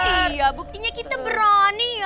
iya buktinya kita berani